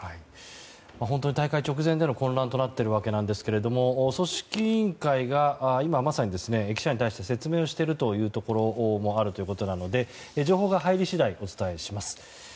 本当に大会直前での混乱となっているわけなんですが組織委員会が今、まさに記者に対して説明をしているというところもあるということなので情報が入り次第、お伝えします。